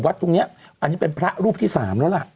ตรงนี้อันนี้เป็นพระรูปที่๓แล้วล่ะ